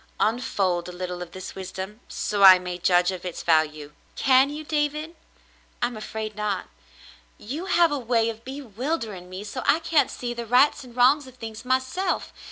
'* Unfold a little of this wisdom, so I may judge of its value." "Can you, David .^^ I'm afraid not. You have a way of bewildering me, so I can't see the rights and wrongs of things myself.